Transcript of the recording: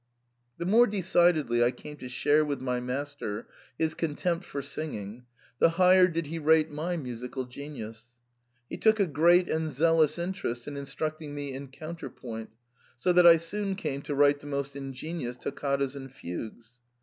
" The more decidedly I came to share with my master his contempt for singing, the higher did he rate my musical genius. He took a great and zealous interest in instructing me in counterpoint, so that I soon came to write the most ingenious toccatas and fugues.